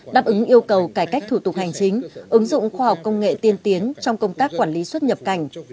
đáp ứng yêu cầu cải cách thủ tục hành chính ứng dụng khoa học công nghệ tiên tiến trong công tác quản lý xuất nhập cảnh